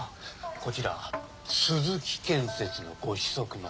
こちら鈴木建設のご子息の。